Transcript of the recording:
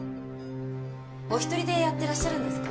お一人でやってらっしゃるんですか？